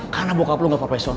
karena bokap lo gak profesional